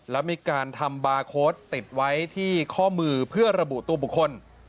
และมีการทำบาร์โค้ดติดไว้ที่ข้อมือเพื่อระบุตัวบุคคล